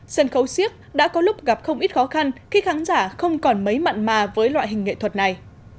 sân khấu siếc đã có lúc gặp không ít khó khăn khi khán giả không còn mấy mặn mà với loại hình nghệ thuật này